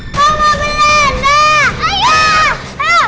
sampai jumpa lagi